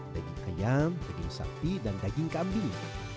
daging ayam daging sapi dan daging kambing